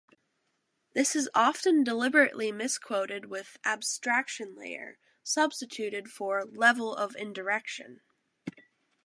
This is often deliberately mis-quoted with "abstraction layer" substituted for "level of indirection".